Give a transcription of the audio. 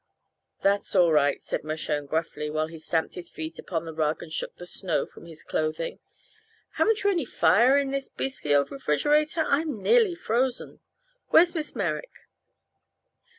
"That's all right," said Mershone gruffly, while he stamped his feet upon the rug and shook the snow from his clothing. "Haven't you any fire in this beastly old refrigerator? I'm nearly frozen. Where's Miss Merrick?"